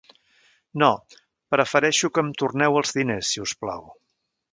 No, prefereixo que em torneu els diners, si us plau.